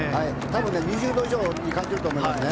多分、２０度以上に感じていると思います。